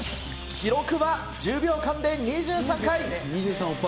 記録は１０秒間で２３回。